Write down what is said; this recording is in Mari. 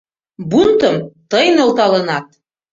Бунтым тый нӧлталынат!